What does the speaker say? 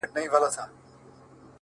• ټوله ژوند مي سترګي ډکي له خیالونو,